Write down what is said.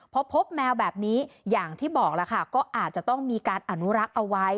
พอพบแมวแบบนี้อย่างที่บอกแล้วค่ะก็อาจจะต้องมีการอนุรักษ์เอาไว้